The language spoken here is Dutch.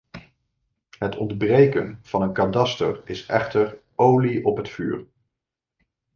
Het ontbreken van een kadaster is echter olie op het vuur.